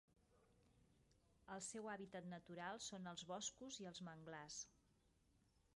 El seu hàbitat natural són els boscos i els manglars.